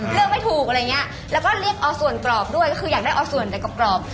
เลือกไม่ถูกอะไรอย่างเงี้ยแล้วก็รีบเอาส่วนกรอบด้วยก็คืออยากได้เอาส่วนแต่กรอบ